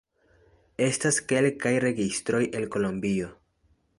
Estas kelkaj registroj el Kolombio.